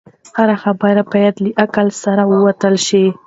هره خبره باید له عقل سره وتلل شي.